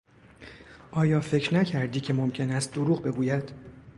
آیا فکر نکردی که ممکن است دروغ بگوید؟